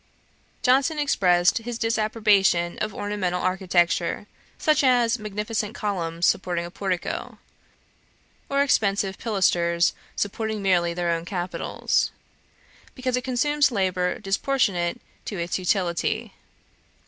Johnson expressed his disapprobation of ornamental architecture, such as magnificent columns supporting a portico, or expensive pilasters supporting merely their own capitals, 'because it consumes labour disproportionate to its utility.'